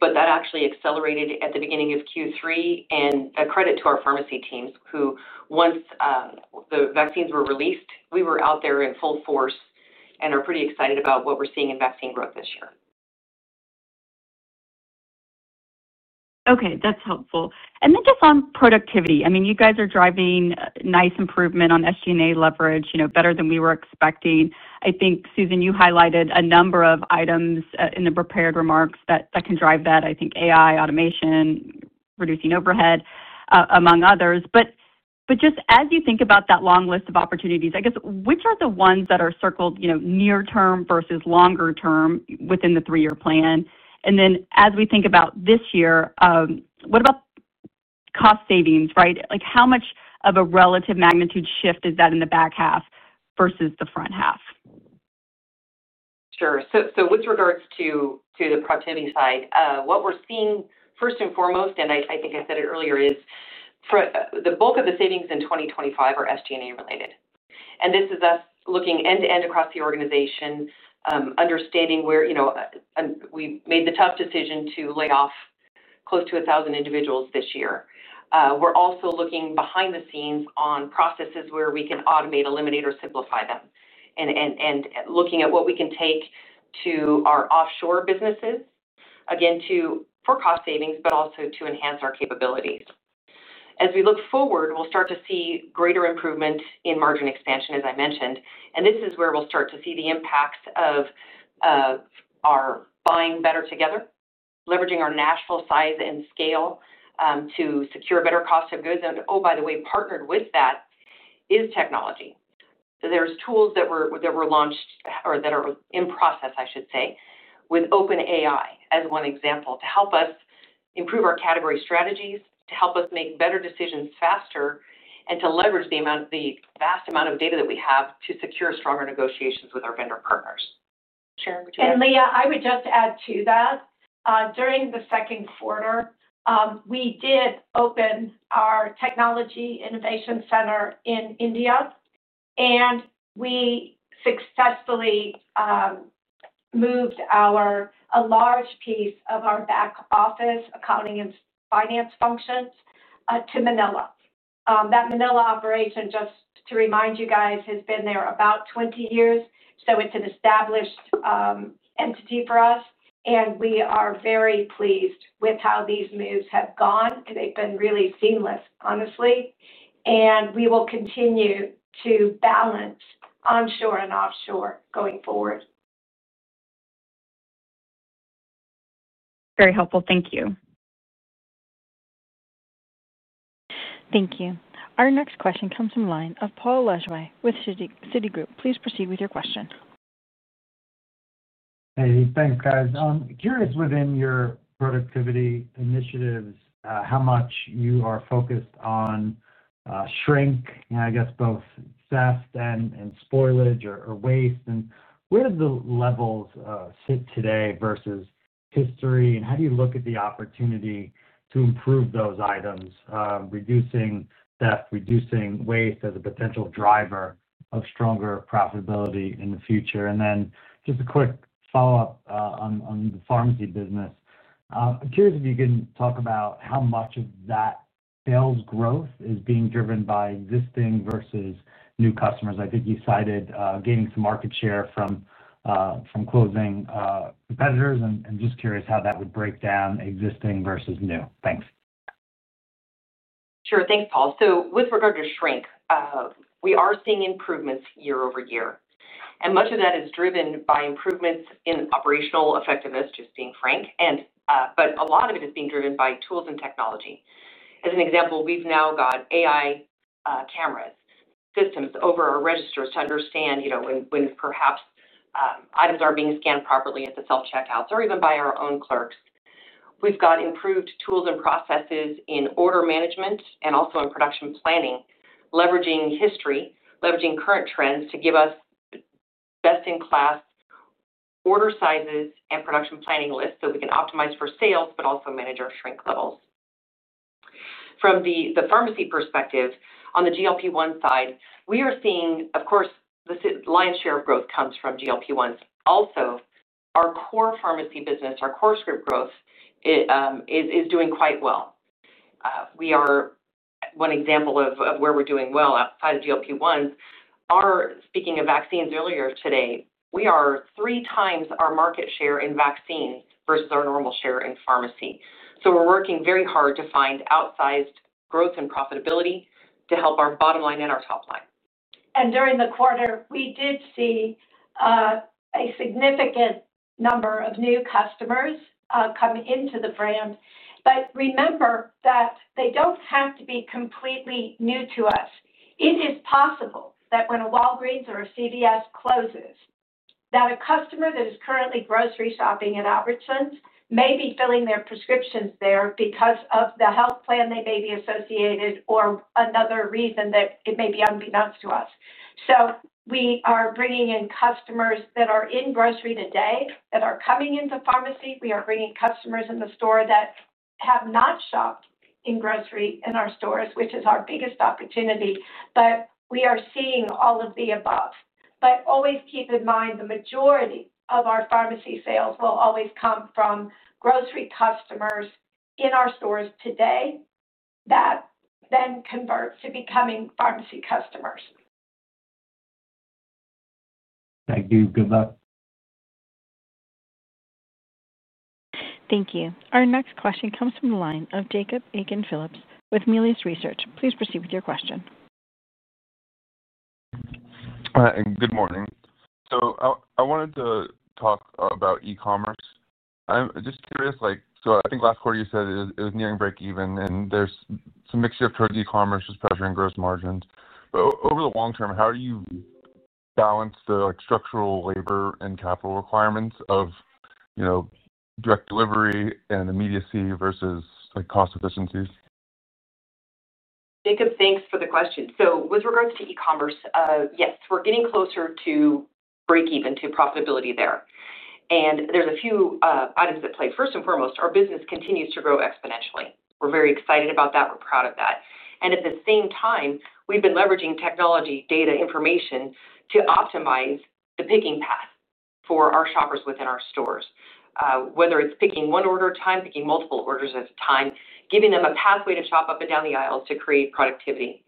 but that actually accelerated at the beginning of Q3. A credit to our pharmacy teams who once the vaccines were released, we were out there in full force and are pretty excited about what we're seeing in vaccine growth this year. Okay, that's helpful. Just on productivity, you guys are driving nice improvement on SGA leverage, better than we were expecting, I think. Susan, you highlighted a number of items in the prepared remarks that can drive that, I think AI, automation, reducing overhead, among others. As you think about that. Long list of opportunities, I guess, which are the ones that are circled, you know, near term versus longer term within the three year plan. As we think about this year, what about cost savings? Right. Like how much of a relative magnitude shift is that in the back half versus the front half? Sure. With regards to the productivity side, what we're seeing first and foremost, and I think I said it earlier, is the bulk of the savings in 2025 are SG&A related. This is us looking end to end across the organization, understanding where we made the tough decision to lay off close to 1,000 individuals this year. We're also looking behind the scenes on processes where we can automate, eliminate, or simplify them and looking at what we can take to our offshore support centers again for cost savings but also to enhance our capabilities. As we look forward, we'll start to see greater improvement in margin expansion as I mentioned. This is where we'll start to see the impacts of our buying better together, leveraging our national size and scale to secure better cost of goods. By the way, partnered with that is technology. There are tools that were launched or that are in process, I should say, with OpenAI as one example to help us improve our category strategies, to help us make better decisions faster, and to leverage the vast amount of data that we have to secure stronger negotiations with our vendor partners. Leah, I would just add to that. During the second quarter, we did open our technology innovation center in India, and we successfully moved a large piece of our back office accounting and finance functions to Manila. That Manila operation, just to remind you guys, has been there about 20 years, so it's an established entity for us, and we are very pleased with how these moves have gone. They've been really seamless, honestly, and we will continue to balance onshore and offshore going forward. Very helpful. Thank you. Thank you. Our next question comes from the line of Paul Lejuez with Citigroup. Please proceed with your question. Hey, thanks guys. I'm curious within your productivity initiatives how much you are focused on shrink, I guess both theft and spoilage or waste, and where the levels sit today versus history, and how you look at the opportunity to improve those items. Reducing theft, reducing waste as a potential driver of stronger profitability in the future. Just a quick follow up on the pharmacy business, I'm curious if you can talk about how much of that sales growth is being driven by existing versus new customers. I think you cited gaining some market share from closing competitors, and just curious how that would break down existing versus new. Thanks. Sure. Thanks Paul. With regard to shrink, we are seeing improvements year over year, and much of that is driven by improvements in operational effectiveness. Just being frank, a lot of it is being driven by tools and technology. As an example, we've now got AI cameras, systems over our registers to understand, you know, when perhaps items are being scanned properly at the self checkouts or even by our own clerks. We've got improved tools and processes in order management and also in production planning, leveraging history, leveraging current trends to give us best-in-class order sizes and production planning lists so we can optimize for sales but also manage our shrink levels. From the pharmacy perspective, on the GLP1 side, we are seeing, of course, the lion's share of growth comes from GLP1s. Also, our core pharmacy business, our core script growth is doing quite well. One example of where we're doing well outside of GLP1, speaking of vaccines earlier today, we are three times our market share in vaccines versus our normal share in pharmacy. We are working very hard to find outsized growth and profitability to help our bottom line and our top line. During the quarter we did see a significant number of new customers come into the brand. Remember that they don't have to be completely new to us. It is possible that when a Walgreens or CVS closes, a customer that is currently grocery shopping at Albertsons Companies may be filling their prescriptions there because of the health plan they may be associated with or another reason that may be unbeknownst to us. We are bringing in customers that are in grocery today that are coming into pharmacy. We are bringing customers in the store that have not shopped in grocery in our stores, which is our biggest opportunity. We are seeing all of the above. Always keep in mind the majority of our pharmacy sales will always come from grocery customers in our stores today that then convert to becoming pharmacy customers. Thank you. Good luck. Thank you. Our next question comes from the line of Jacob Akin Phillips with Mealius Research. Please proceed with your question. Good morning. I wanted to talk about e-commerce. I'm just curious, like, I think last quarter you said it was nearing break-even and there's mix shift towards e-commerce is pressuring gross margins. Over the long term, how do you balance the structural labor and capital requirements of direct delivery and immediacy versus cost efficiencies? Jacob, thanks for the question. With regards to e-commerce, yes, we're getting closer to break even to profitability there, and there's a few items at play. First and foremost, our business continues to grow exponentially. We're very excited about that. We're proud of that. At the same time, we've been leveraging technology, data, information to optimize the picking path for our shoppers within our stores. Whether it's picking one order at a time, picking multiple orders at a time, giving them a pathway to shop up and down the aisles to create productivity.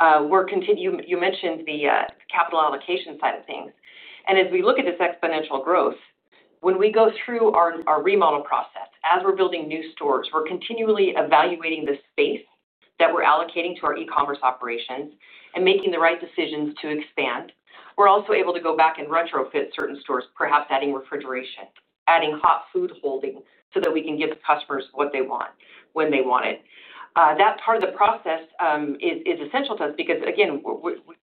You mentioned the capital allocation side of things. As we look at this exponential growth, when we go through our remodel process, as we're building new stores, we're continually evaluating the space that we're allocating to our e-commerce operations and making the right decisions to expand. We're also able to go back and retrofit certain stores, perhaps adding refrigeration, adding hot food holding so that we can give customers what they want when they want it. That part of the process is essential to us because, again,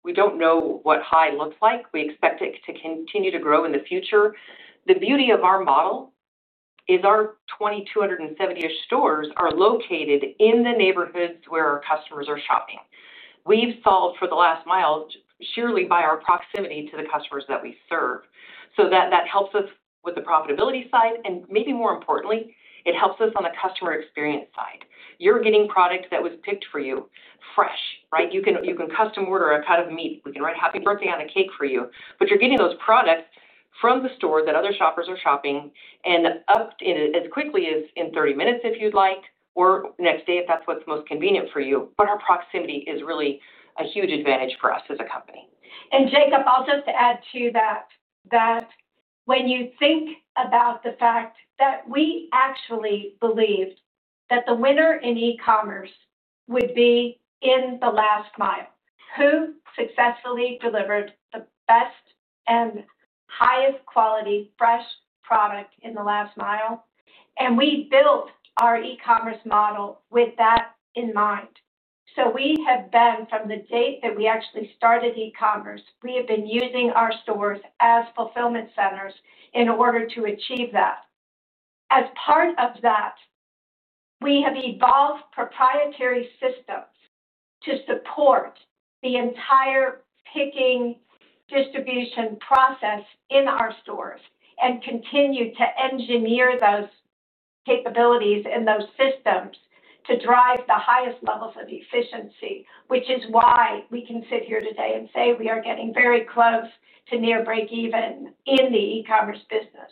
we don't know what high looks like. We expect it to continue to grow in the future. The beauty of our model is our 2,270-ish stores are located in the neighborhoods where our customers are shopping. We've solved for the last mile surely by our proximity to the customers that we serve. That helps us with the profitability side, and maybe more importantly, it helps us on the customer experience side. You're getting product that was picked for you fresh, right? You can custom order a cut of meat, we can write happy birthday on a cake for you, but you're getting those products from the store that other shoppers are shopping and up as quickly as in 30 minutes if you'd like, or next day if that's what's most convenient for you. Our proximity is really a huge advantage for us as a company. Jacob, I'll just add to that, when you think about the fact that we actually believe that the winner in e-commerce would be in the last mile who successfully delivered the best and highest quality fresh product in the last mile. We built our e-commerce model with that in mind. We have been, from the date that we actually started e-commerce, using our stores as fulfillment centers in order to achieve that. As part of that, we have evolved proprietary systems to support the entire picking distribution process in our stores and continue to engineer those capabilities and those systems to drive the highest levels of efficiency, which is why we can sit here today and say we are getting very close to near break even in the e-commerce business.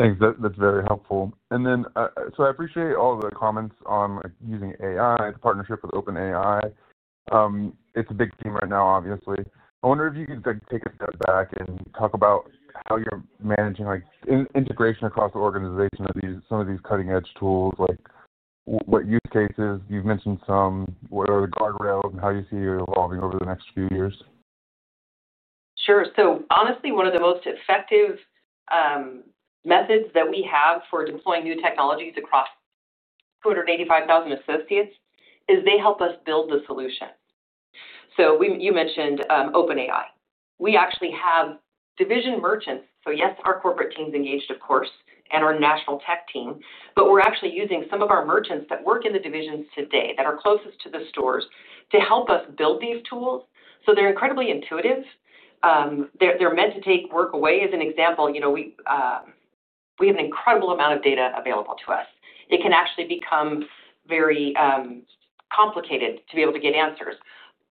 Thanks, that's very helpful. I appreciate all the comments on using AI. The partnership with OpenAI, it's a big theme right now, obviously. I wonder if you could take a step back and talk about how you're managing integration across the organization of some of these cutting edge tools, like what use cases you've mentioned, what are the guardrails, and how you see it evolving over the next few years. Sure. Honestly, one of the most effective methods that we have for deploying new technologies across 285,000 associates is they help us build the solution. You mentioned OpenAI. We actually have division merchants. Yes, our corporate team is engaged, of course, and our national tech team, but we're actually using some of our merchants that work in the divisions today that are close to the stores to help us build these tools. They're incredibly intuitive. They're meant to take work away. As an example, we have an incredible amount of data available to us. It can actually become very complicated to be able to get answers.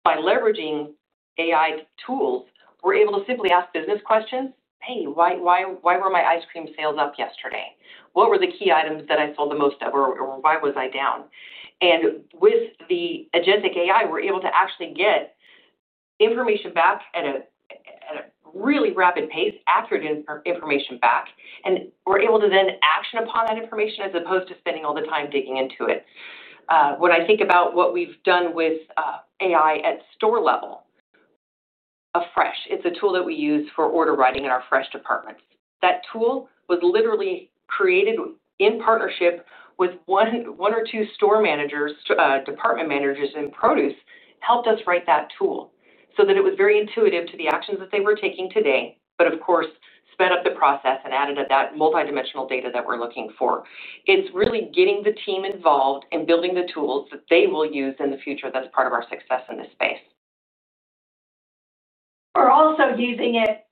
By leveraging AI tools, we're able to simply ask business questions, hey, why were my ice cream sales up yesterday? What were the key items that I sold the most of? Why was I down? With the agency AI, we're able to actually get information back at a really rapid pace, accurate information back, and we're able to then action upon that information as opposed to spending all the time digging into it. When I think about what we've done with AI at store level afresh, it's a tool that we use for order writing in our fresh departments. That tool was literally created in partnership with one or two store managers. Department managers in produce helped us write that tool so that it was very intuitive to the actions that they were taking today. Of course, it sped up the process and added that multidimensional data that we're looking for. It's really getting the team involved and building the tools that they will use in the future. That's part of our success in this space. We're also using it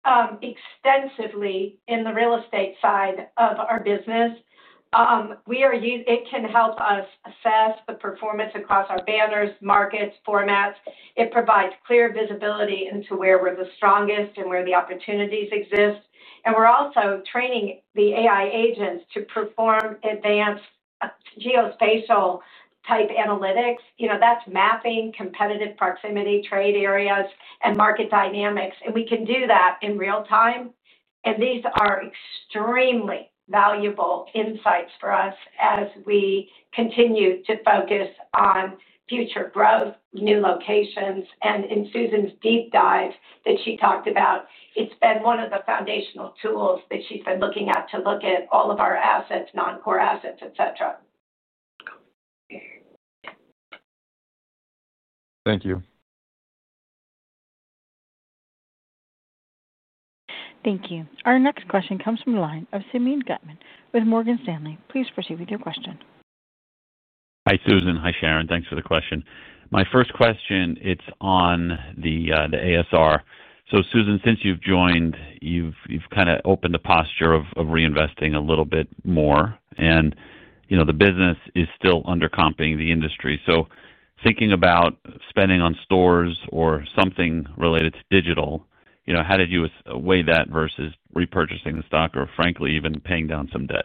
extensively in the real estate side of our business. We are. It can help us assess the performance across our banners, markets, formats. It provides clear visibility into where we're the strongest and where the opportunities exist. We're also training the AI agents to perform advanced geospatial type analytics. That's mapping competitive proximity, trade areas, and market dynamics. We can do that in real time. These are extremely valuable insights for us as we continue to focus on future growth, new locations, and in Susan's deep dive that she talked about, it's been one of the foundational tools that she's been looking at to look at all of our assets, non-core assets, et cetera. Thank you. Thank you. Our next question comes from the line of Simeon Gutman with Morgan Stanley. Please proceed with your question. Hi Susan. Hi Sharon. Thanks for the question. My first question, it's on the ASR. Susan, since you've joined, you've kind of opened the posture of reinvesting a little bit more and the business is still undercomping the industry. Thinking about spending on stores or something related to digital, how did you weigh that versus repurchasing the stock or frankly even paying down some debt?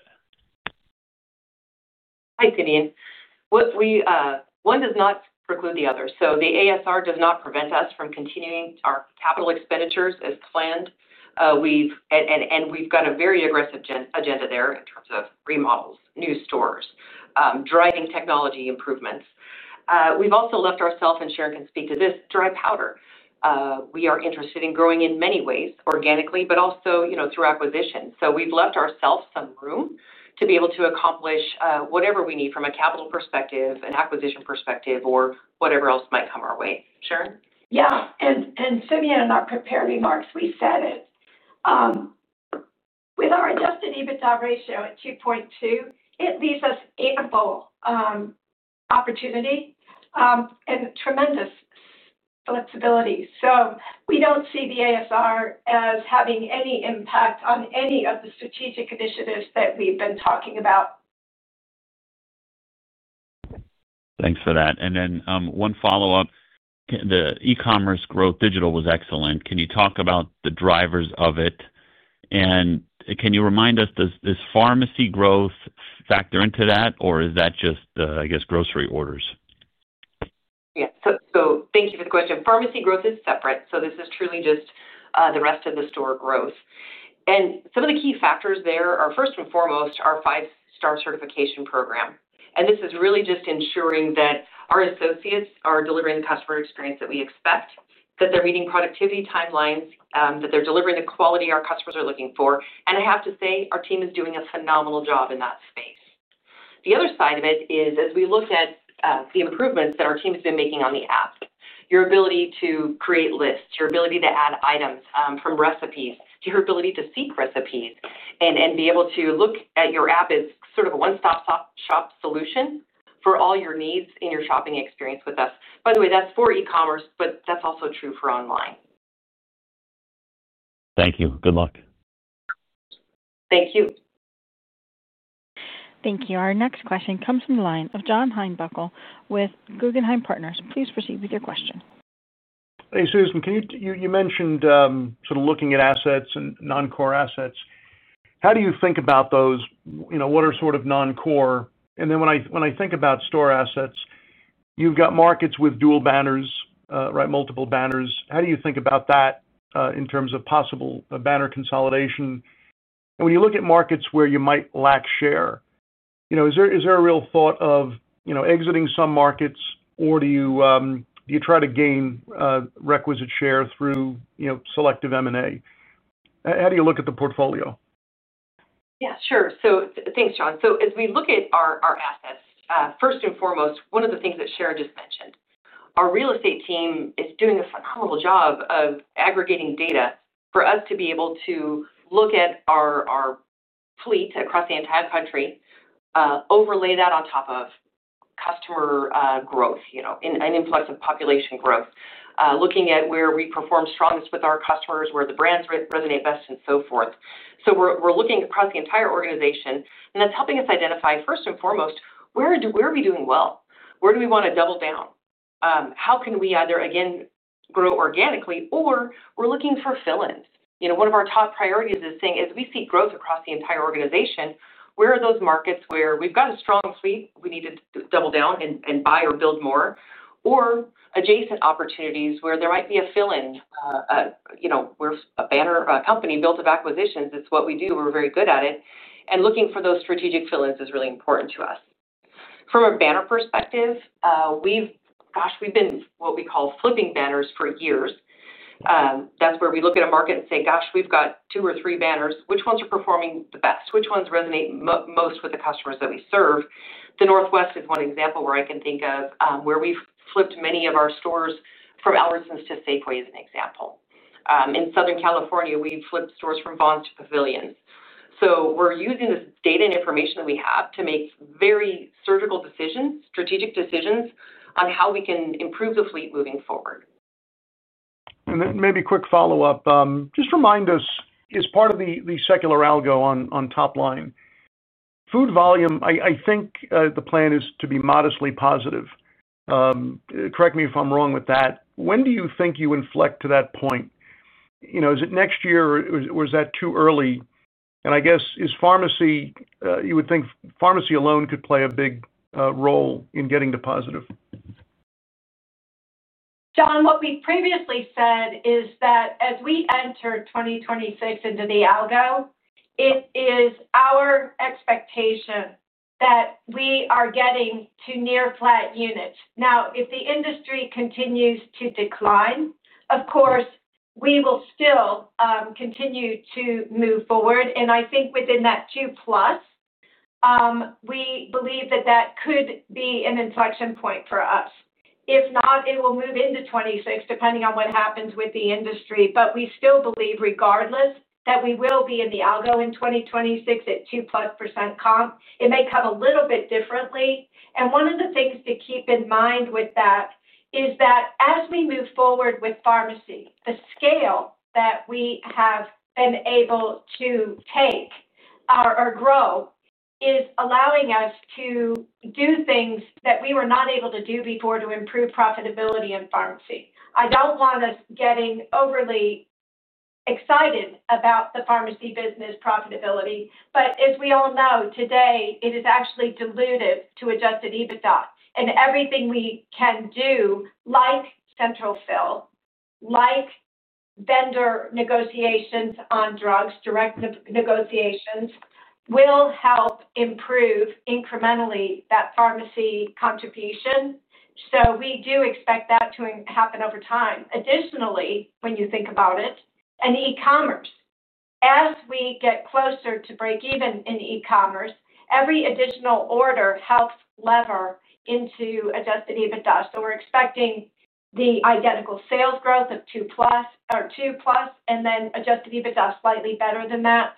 Hi Kanine. One does not preclude the other. The ASR does not prevent us from continuing our capital expenditures as planned. We have a very aggressive agenda there in terms of remodels, new stores, driving technology improvements. We have also left ourselves, and Sharon can speak to this, dry powder. We are interested in growing in many ways organically, but also through acquisition. We have left ourselves some room to be able to accomplish whatever we need from a capital perspective, an acquisition perspective, or whatever else might come our way. Sharon? Yeah. Simeon, in our prepared remarks, we said with our adjusted EBITDA ratio at 2.2, it leaves us ample opportunity and tremendous flexibility. We don't see the ASR as having any impact on any of the strategic initiatives that we've been talking about. Thanks for that. One follow up, the e-commerce growth digital was excellent. Can you talk about the drivers of it? Can you remind us, does pharmacy growth factor into that or is that just, I guess, grocery orders? Thank you for the question. Pharmacy growth is separate, so this is truly just the rest of the store growth. Some of the key factors there are first and foremost our five star certification program. This is really just ensuring that our associates are delivering the customer experience that we expect, that they're meeting productivity timelines, that they're delivering the quality our customers are looking for. I have to say, our team is doing a phenomenal job in that space. The other side of it is as we look at the improvements that our team has been making on the app, your ability to create lists, your ability to add items from recipes, your ability to seek recipes and be able to look at your app as sort of a one stop shop solution for all your needs in your shopping experience with us. By the way, that's for e-commerce, but that's also true for online. Thank you. Good luck. Thank you. Thank you. Our next question comes from the line of John Heinbockel with Guggenheim Securities. Please proceed with your question. Hey Susan, you mentioned sort of looking at assets and non-core assets. How do you think about those? What are sort of non-core? When I think about store assets, you've got markets with dual banners, right? Multiple banners. How do you think about that in terms of possible banner consolidation? When you look at markets where you might lack share, is there a real thought of exiting some markets or do you try to gain requisite share through selective material? How do you look at the portfolio? Yeah, sure. Thanks, John. As we look at our assets, first and foremost, one of the things that Sharon just mentioned, our real estate team is doing a phenomenal job of aggregating data for us to be able to look at our fleet across the entire country. Overlay that on top of customer growth, an influx of population growth, looking at where we perform strongest with our customers, where the brands resonate best with, and so forth. We are looking across the entire organization and that's helping us identify first and foremost where are we doing well, where do we want to double down. How can we either again grow organically or we're looking for fill ins. One of our top priorities is saying as we see growth across the entire organization, where are those markets where we've got a strong suite, we need to double down and buy or build more or adjacent opportunities where there might be a fill in. We're a banner company built of acquisitions. It's what we do. We're very good at it. Looking for those strategic fill ins is really important to us from a banner perspective. We've been what we call flipping banners for years. That's where we look at a market and say, we've got two or three banners. Which ones are performing the best, which ones resonate most with the customers that we serve. The Northwest is one example where I can think of where we've flipped many of our stores from Albertsons to Safeway. As an example, in Southern California we flipped stores from Vons to Pavilions. We're using this data and information that we have to make very surgical decisions, strategic decisions on how we can improve the fleet moving forward and maybe. Quick follow-up, just remind us, is part of the secular algo on top-line food volume, I think the plan is to be modestly positive. Correct me if I'm wrong with that. When do you think you inflect to that point? Is it next year or is that too early, and I guess, is pharmacy, you would think pharmacy alone could play a big role in getting to positive. John, what we previously said is that as we enter 2026 into the algo, it is our expectation that we are getting to near flat units. Now, if the industry continues to decline, of course we will still continue to move forward and I think within that 2% plus we believe that that could be an inflection point for us. If not, it will move into 2026 depending on what happens with the industry. We still believe regardless that we will be in the algo in 2026 at 2% comp. It may come a little bit differently. One of the things to keep in mind with that is that as we move forward with pharmacy, the scale that we have been able to take or grow is allowing us to do things that we were not able to do before to improve profitability in pharmacy. I don't want us getting overly excited about the pharmacy business profitability, but as we all know today it is actually dilutive to adjusted EBITDA and everything we can do like Central Fill, like vendor negotiations on drugs, direct negotiations will help improve incrementally that pharmacy contribution. We do expect that to happen over time. Additionally, when you think about it, in e-commerce, as we get closer to break even in e-commerce, every additional order helps lever into adjusted EBITDA. We're expecting the identical sales growth of 2% plus and then adjusted EBITDA slightly better than that.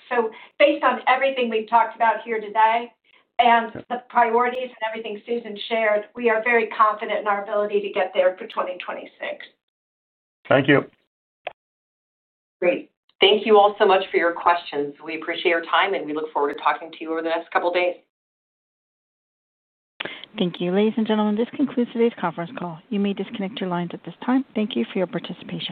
Based on everything we've talked about here today and the priorities and everything Susan shared, we are very confident in our ability to get there for 2026. Thank you. Great. Thank you all so much for your questions. We appreciate your time, and we look forward to talking to you over the next couple of days. Thank you. Ladies and gentlemen, this concludes today's conference call. You may disconnect your lines at this time. Thank you for your participation.